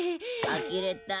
あきれた。